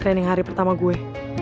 keren yang hari pertama gue